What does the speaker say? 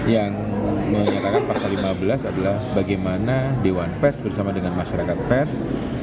yang menyatakan pasal lima belas adalah bagaimana dewan pers bersama dengan masyarakat pers